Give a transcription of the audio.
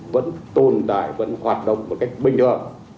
vẫn tồn tại vẫn hoạt động một cách bình lợi